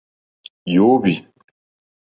Yǒhwì.